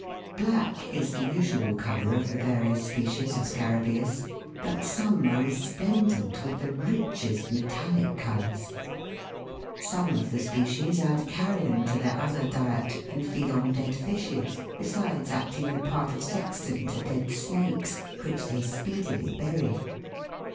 Black is the usual colour of the various species of Scarabaeus, but some are resplendent with the richest metallic colours. Some of the species add carrion to their other diet, and feed on dead fishes, besides acting the part of sexton to dead snakes, which they speedily bury.